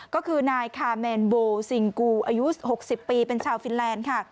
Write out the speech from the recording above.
ก็คือนายคาเมนโบซิงกูอายุ๖๐ปีเป็นชาวฟินแลนด์ค่ะ